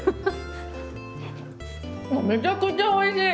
めちゃくちゃおいしい！